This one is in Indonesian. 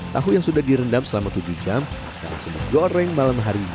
tahu yang sudah direndam selama tujuh jam akan disembuh goreng malam hari ini